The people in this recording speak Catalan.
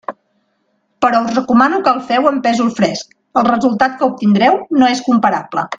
Però us recomano que el feu amb pèsol fresc: el resultat que obtindreu no és comparable.